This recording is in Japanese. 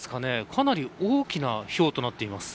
かなり大きなひょうとなっています。